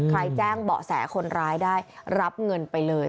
แจ้งเบาะแสคนร้ายได้รับเงินไปเลย